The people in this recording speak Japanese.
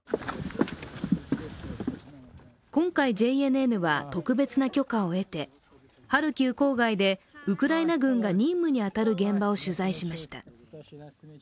今回、ＪＮＮは特別な許可を得てハルキウ郊外でウクライナ軍が任務に当たる現場を取材しました。